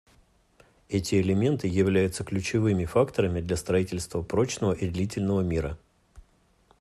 Эти элементы являются ключевыми факторами для строительства прочного и длительного мира.